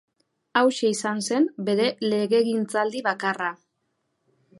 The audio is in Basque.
Hauxe izan zen bere legegintzaldi bakarra.